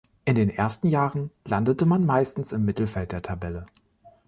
In den ersten Jahren landete man meistens im Mittelfeld der Tabelle.